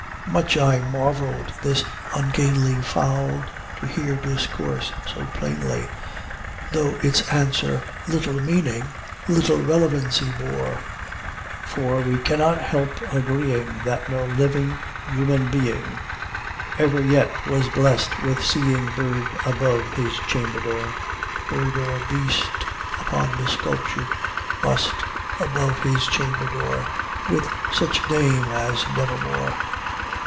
"Much I marveled this ungainly fowl to hear discourse so plainly, Though its answer little meaning little relevancy bore; For we cannot help agreeing that no living human being Ever yet was blessed with seeing bird above his chamber door Bird or beast upon the sculptured bust above his chamber door, With such name as 'Nevermore.'"